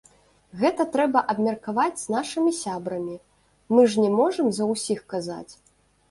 Гэта трэба абмеркаваць з нашымі сябрамі, мы ж не можам за ўсіх казаць.